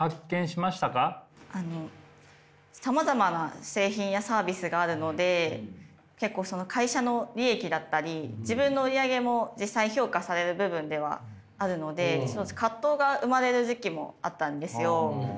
あのさまざまな製品やサービスがあるので結構その会社の利益だったり自分の売り上げも実際評価される部分ではあるので葛藤が生まれる時期もあったんですよ。